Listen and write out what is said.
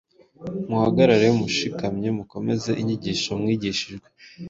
muhagarare mushikamye, mukomeze inyigisho mwigishijwe,